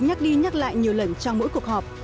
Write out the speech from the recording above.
nhắc đi nhắc lại nhiều lần trong mỗi cuộc họp